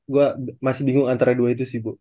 gue masih bingung antara dua itu sih bu